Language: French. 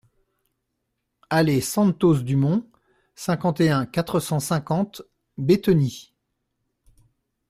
Allée Santos Dumont, cinquante et un, quatre cent cinquante Bétheny